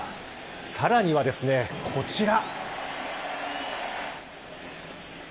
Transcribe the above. さらにはこちら。